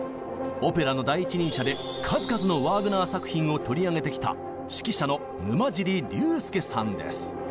オペラの第一人者で数々のワーグナー作品を取り上げてきた指揮者の沼尻竜典さんです！